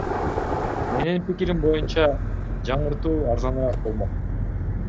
Менин пикирим боюнча, жаңыртуу арзаныраак болмок.